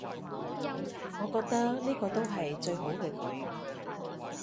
我覺得呢個都係最好嘅佢